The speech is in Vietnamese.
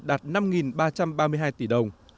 đạt năm ba trăm ba mươi hai tỷ đồng